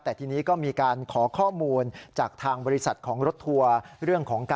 แต่ทีนี้ก็มีการขอข้อมูลจากทางบริษัทของรถทัวร์